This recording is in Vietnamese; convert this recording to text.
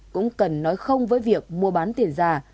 cũng cần nói không với việc mua bán tiền giả